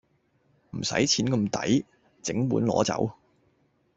唔使錢咁抵，整碗攞走